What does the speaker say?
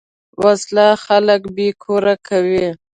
وسله خلک بېکور کوي